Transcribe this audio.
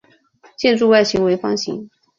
建筑外形为方形。